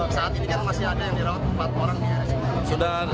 saat ini kan masih ada yang dirawat empat orang